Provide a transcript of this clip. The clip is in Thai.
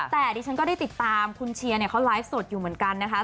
แต่ดิฉันก็ได้ติดตามคุณเชียร์เนี่ยเขาไลฟ์สดอยู่เหมือนกันนะคะ